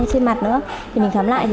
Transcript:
trên mặt nữa mình khám lại